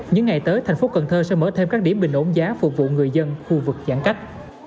những ngày tới thành phố cần thơ sẽ mở thêm các điểm bình ổn giá phục vụ người dân khu vực giãn cách